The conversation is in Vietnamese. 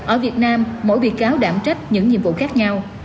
ở việt nam mỗi bị cáo đảm trách những nhiệm vụ khác nhau